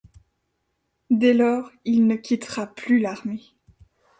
Dès lors, il ne quittera plus l'armée.